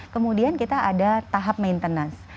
kemudian kita ada tahap maintenance